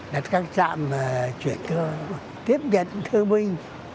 đặt các trạm chuyển thương tiếp nhận thương minh